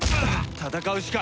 戦うしか。